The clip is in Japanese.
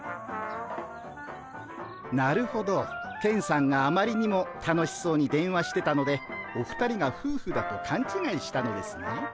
なるほどケンさんがあまりにも楽しそうに電話してたのでお二人がふうふだとかんちがいしたのですね。